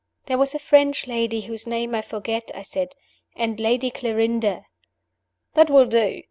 "There was a French lady whose name I forget," I said, "and Lady Clarinda " "That will do!